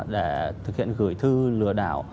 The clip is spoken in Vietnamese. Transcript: để thực hiện gửi thư lừa đảo